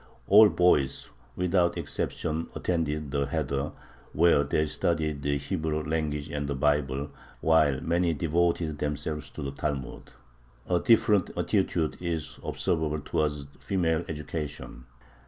All boys, without exception, attended the heder, where they studied the Hebrew language and the Bible, while many devoted themselves to the Talmud. A different attitude is observable towards female education.